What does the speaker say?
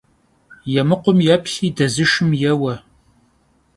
Yêmıkhum yêplhi dezışşım yêue.